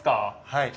はい。